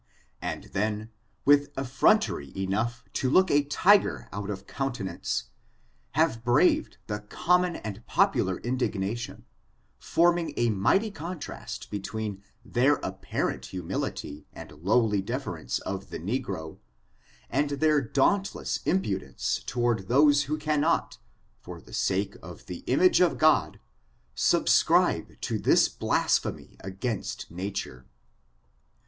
^^t^^^^^^^tf^f^^^^^*^!^ FORTUli^S) OF THE NEGRO li ACE. 2»f Jijid then, with effrontery ehoagh to look a tigei' 6ut^ of countenance, have braved the common and popu^ lar indigtiatidn, forming a mighty contrast between their apparent humility and lowly deference of the negro^ and their dauntless impudence toward thos^ who cannot, for the siake of the image of God, sub^ scribe to this blasphemy against nature.